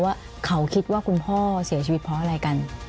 ว่าเขาคิดว่าคุณพ่อเสียชีวิตเพราะอะไรกัน